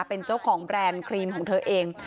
เป็นเจ้าของแบรนด์ครีมของเธอเอง